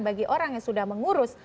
bagi orang yang sudah mengurus